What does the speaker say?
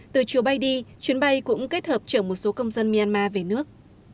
từ chiều bay đi chuyến bay cũng kết hợp chở một số công dân myanmar về nước